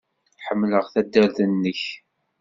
Ḥemmleɣ taddart-nnek.